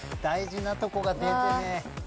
大事なとこが出てねえ。